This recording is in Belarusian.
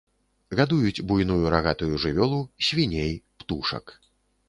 Гадуюць буйную рагатую жывёлу, свіней, птушак.